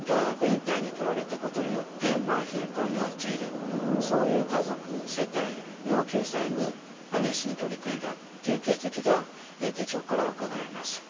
そういうそういう家族世帯の救済に熱心に取り組んだっていう形跡が手帳からはうかがえます。